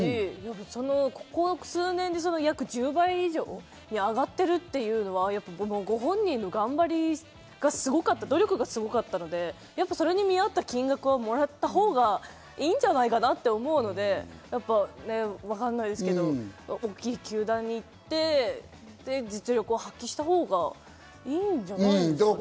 期間中にあるんだって知りましたし、ここ数年で１０倍以上に上がっているというのはご本人の頑張りがすごかったので、それに見合った金額はもらったほうがいんじゃないかなと思うので、わかんないですけど、球団に行って実力を発揮したほうがいいんじゃないですかね。